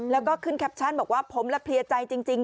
แล้วก็ขึ้นแคปชั่นบอกว่าผมและเพลียใจจริง